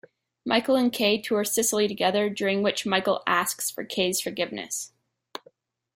Michael and Kay tour Sicily together, during which Michael asks for Kay's forgiveness.